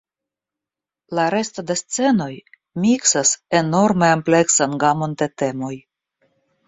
La resto de scenoj miksas enorme ampleksan gamon de temoj.